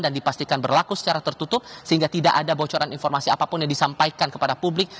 dipastikan berlaku secara tertutup sehingga tidak ada bocoran informasi apapun yang disampaikan kepada publik